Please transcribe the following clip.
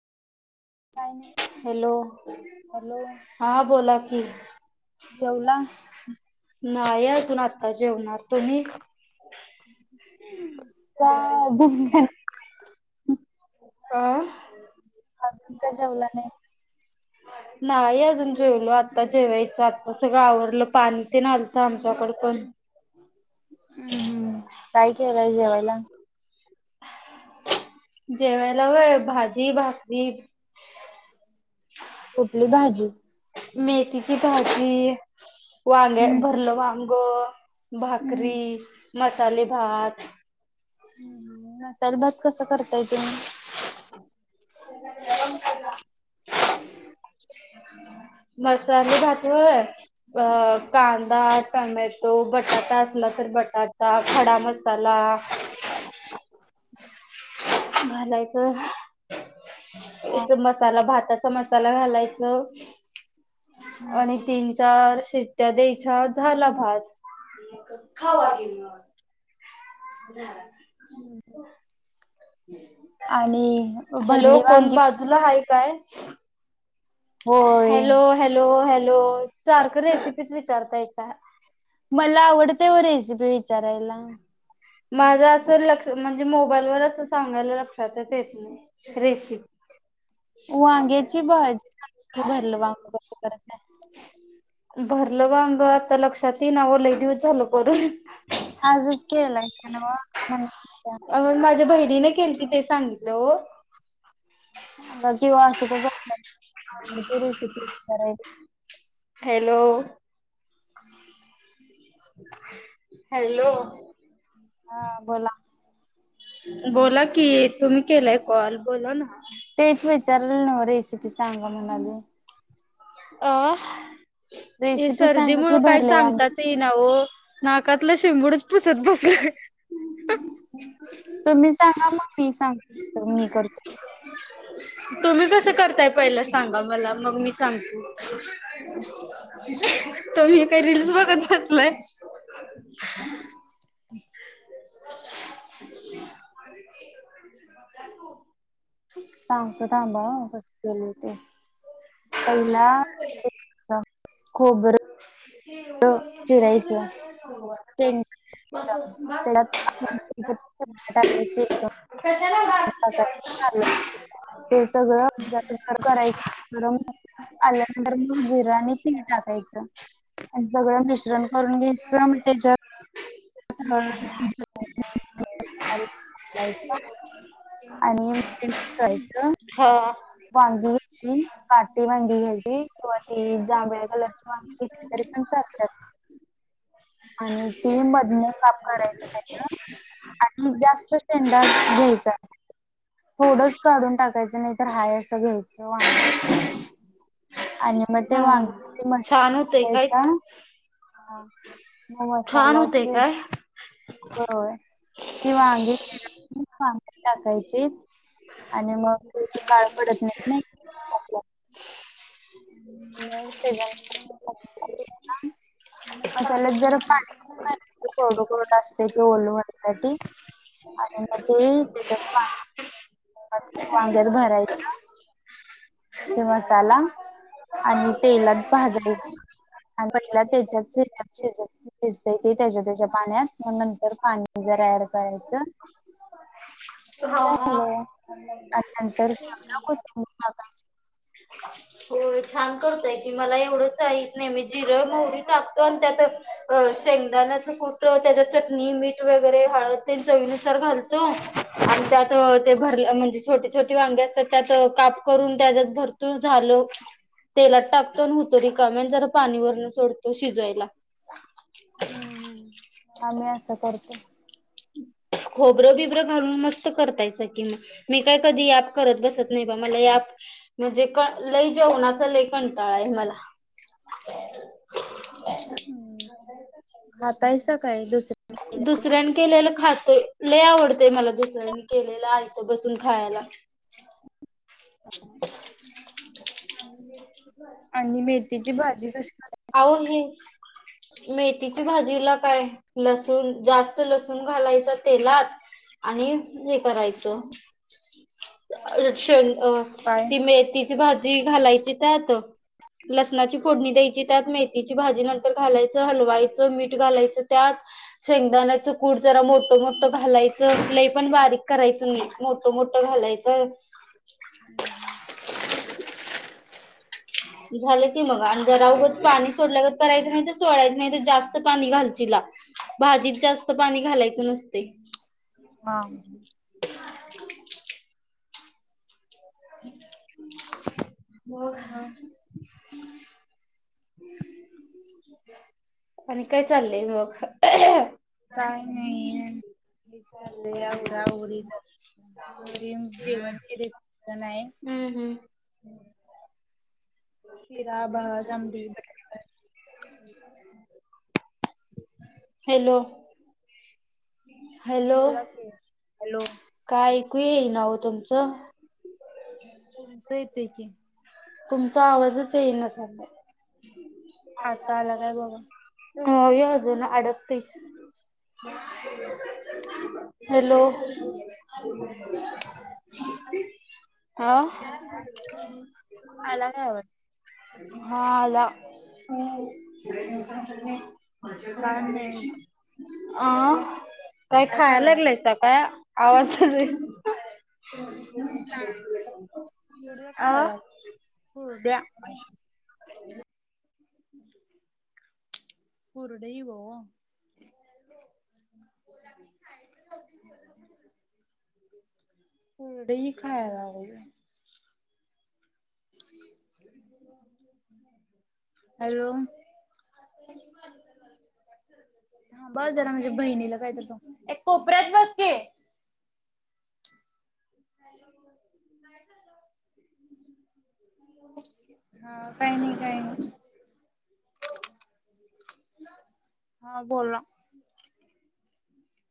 काय नाही hello hello हा बोला की. जेवला नाही अजून आता जेवणार. तुम्ही का जेवला अं. का जेवला नाही. नाही अजून जेवलो, आता जेवायचं आ सगळा आवरलं पाणी तेन आलं. इत आमच्याकड पण. हम्म हम्म काय केला जेवायला. जेवायला वव्हय भाजी भाकरी. कुठली भाजी मेथीची भाजी वांग्या हम्म भरलं वांग. हम्म भाकरी. मसाले भात. मसाले भात कस करताय तुम्ही. [inaudible] मसाले भात व्हय अ कांदा टोमॅटो बटाटा असला तर बटाटा खडा मसाला. मलाय तर मसाला भात मसाला घालायच आणि तीन चार शिट्ट्या द्यायच्या झाला भात. खावा की मग. [inaudible] आणि हॅलो भरली कोण वांगी कस? बाजूला आहेा काय होय हॅलो हॅलो हॅलो हॅलो सारख रेसिपी विचारताय स मला आवडते व रेसिपी विचारायला माझा अस लक्ष म्हणजे मोबाईलवर अस सांग ा लक्षातच येत नाही रेशीिप वांग्याची भाजी भरलं वांग करत नाही भरलं बाब आता लक्षात ये नावलही दिवस झाल करून आज केला ना वा तिथे सांगितलं हो सांगा किंवा असं काके दिवशी कराय हॅलो हॅलो हा बोला बोला की तुम्ही केलाय कॉल बोला ना तेच विचार ना वाट रे चांगा म्हणाज अं ते रेसिपी सर्दी सांगा मु की काय भरले वांगे सांगतात ये ना हो नाकातलं शेंबूडच पुसत बसला तुम्ही सांगा मग मी सांग मी करतो तुम्ही कसं करताय पहिलं सांगा मला मग मी सांगते त मही काही रीलल्स बघत असलंय सांगतो थांबा कस केलं [unintelligible] पहिला खोबरं चिरायचं बस शेंगदाणे त्यात बस [unintelligible] हे सगळं [unintelligible] आल्यानंतर मग जिरं आणि तीळ टाकायचं आणि सगळं मिश्रण करून घ्यायचं म त्याच्यात हळद आणि मीठ एकत्र करायचं मग हा. वांगी काठी वांगी घ्यायची किंवा ती जांभळ कलरची वांगी घेतली तरी पण चालतात आणि ती म काप करायच त्याच आणि जास्त शेंडा घ्यायचा. थोडेच काढून टाकायचं नाही तर हाय असं घ्यायचं वांग आणि मग ते हा वांग मसाला छान होतय काय? टकायचा छान होतेय काय? बरोबर ती वांगी पाण्यात टाकायची आणि मग ती काळ पडत [unintelligible] नाहीत नाही ह [inaudible] मग त्या मसाल्यात जरा पाणी घालायचं कोरडं कोरडं असते ते ओलवण्यासाठी आणि म ते त्याच्यात वांग्यात भरायचं. [unintelligible] ते मसाला आणि तेलात भाजायचे आणि पहिला त्याच्यात शिजत शिजत त्याच्या त्याच्या पाण्यात म नंतर पाणी जरा ऍड करायचं हा झालं हा. मग आणि नंतर कोथिंबीर टाकायची. होय छान करतय की मला एवढंच जाईत नाही मी जिरं मोहरी टाकतो. प त्यात शेंगदाण्याचं कुट, त्याच्या चटणी, मीठ वगैरे हळद ते चवीनुसार घाला आणि त्यात ते घट म्हणजे छोटे छोटे वांगे असतात त्यात काप करून त्याजात भर तू झाल तेलात टाकतो होतो रिकामेच पाणी वरन सोडतो शिजवायला. हम्म हम्म आम्ही असं करतो. खोबरं बिब्रं घालून मस्त करतायचा की मग मी काय कधी याप करत बसत नाही बा मला म्हणजे क लय जेवणाचा लय कंटाळा आहे. मला म् हातायचं काय दुसऱ्यानी के खातो लय आवडतेय मला दुसऱ्यांनी केलेलं आहे. बसून खायला. आणि मेथीची भाजी कशी क अहो हे मेथीच्या भाजीला काय लसण जास्त लसण घालायच. तेलात आणि हे करायचं श अ करताय ती मेथीची भाजी घालायची त्यात लसणाची फोडणी द्यायची. त्यात मेथीची भाजी नंतर घालायचं हलवायचं मीठ घालायचं त्यात शेंगदाण्या कूड जरा मो ोट मोठं घालायचं. लही पण बारीक करायचं मी मोठ मोठं घालायचं. हम्म ह झालं ते मग आणि जरागच पाणी सोडल्या ग करायचं. नाही तर सोडायचं. नाही तर जास्त पाणी घालची ला भाजीत जास्त पाणी घालायचं नसते. हा मग म [unintelligible] आणि काय चाललंय मग हे लेहरा री घरी जवण केले नाही आहे. हम् खिरा बज आमदी हॅलो हॅलो बोला क हॅलो क नाव तुमचं तुमचं येते कि तुमचा आवाजच येई न लला आता आला काय बघ हो येज ना अडकते. हम हॅलो हा अलाग आवत हाला काय नाही काय अ करायलाय काय खायला लागलंयस काय. आवाज कुरड्या अ हो द्या कुरडइ ओ दही खायला व हॅलो. बस जरा माझ्या बहिणीला काय तर तो, ए कोपऱ्यात बस की हा. काही नाही. काही नाही. हा बोल